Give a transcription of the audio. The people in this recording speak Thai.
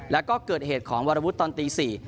แล้วก็เกิดเหตุของวรวุฒิตอนตี๔